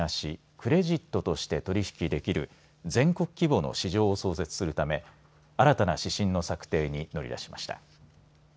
クレジットとして取り引きできる全国規模の市場を創設するため新たな指針の策定に乗り出しました。